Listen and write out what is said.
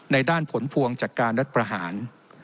ด้านผลพวงจากการรัฐประหาร